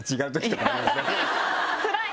つらい！